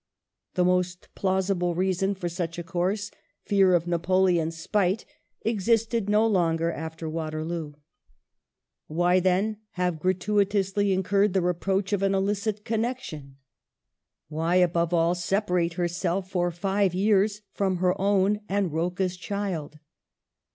The most plausible reason for such a course, fear of Napoleon's spite, existed no longer after Waterloo. Why, then, have gratuitously incurred the reproach of an illicit connection? Why, above all, separate herself for five years from her own and Rocca's child